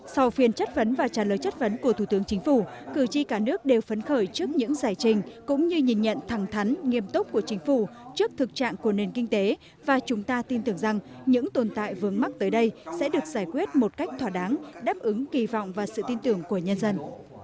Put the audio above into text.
sau phiên chất vấn và trả lời chất vấn của thủ tướng chính phủ cử tri cả nước đều phấn khởi trước những giải trình cũng như nhìn nhận thẳng thắn nghiêm túc của chính phủ trước thực trạng của nền kinh tế và chúng ta tin tưởng rằng những tồn tại vướng mắc tới đây sẽ được giải quyết một cách thỏa đáng đáp ứng kỳ vọng và sự tin tưởng của nhân dân